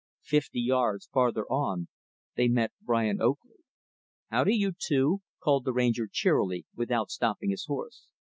Fifty yards farther on, they met Brian Oakley. "Howdy, you two," called the Ranger, cheerily without stopping his horse.